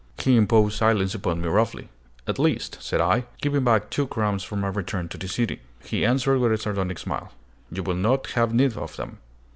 He imposed silence upon me roughly. "At least," said I, "give me back two crowns for my return to the city!" He answered with a sardonic smile, "You will not have need of them."